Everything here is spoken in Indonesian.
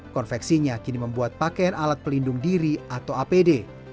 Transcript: konveksinya kini membuat pakaian alat pelindung diri atau apd